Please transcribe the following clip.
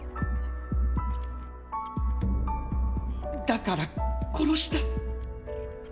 だから殺した。